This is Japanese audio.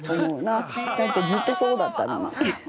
だってずっとそうだったのに。